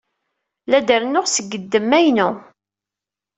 La d-rennuɣ seg ddemma-inu.